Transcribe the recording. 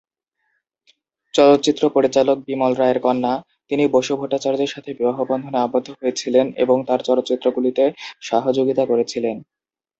চলচ্চিত্র পরিচালক বিমল রায়ের কন্যা, তিনি বসু ভট্টাচার্যের সাথে বিবাহবন্ধনে আবদ্ধ হয়েছিলেন এবং তাঁর চলচ্চিত্রগুলিতে সহযোগিতা করেছিলেন।